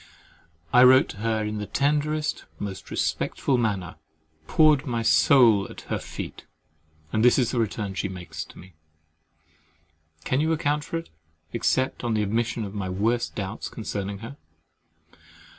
I wrote to her in the tenderest, most respectful manner, poured my soul at her feet, and this is the return she makes me! Can you account for it, except on the admission of my worst doubts concerning her?